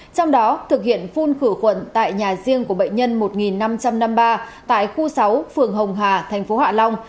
trong đó thực hiện phun khử khuẩn tại nhà riêng của bệnh nhân một năm trăm năm mươi ba tại khu sáu phường hồng hà thành phố hạ long